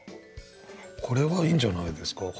これはいいんじゃないですか。